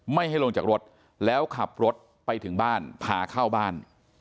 ไม่ให้ลงจากรถแล้วขับรถไปถึงบ้านพาเข้าบ้าน